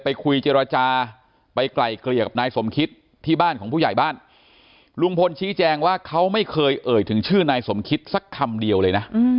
ไปคุยเจรจาไปไกลเกลี่ยกับนายสมคิดที่บ้านของผู้ใหญ่บ้านลุงพลชี้แจงว่าเขาไม่เคยเอ่ยถึงชื่อนายสมคิดสักคำเดียวเลยนะ